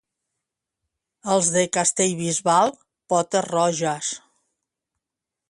Els de Castellbisbal, potes roges.